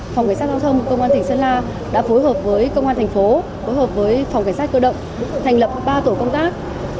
phòng cảnh sát giao thông công an tỉnh sơn la đã phối hợp với công an thành phố phối hợp với phòng cảnh sát cơ động thành lập ba tổ công tác